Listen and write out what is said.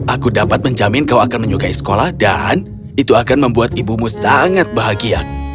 aku dapat menjamin kau akan menyukai sekolah dan itu akan membuat ibumu sangat bahagia